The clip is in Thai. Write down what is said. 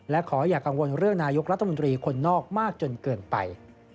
และขออย่ากังวลเรื่องนายกรัฐมนตรีคนนอกมากจนเกินไป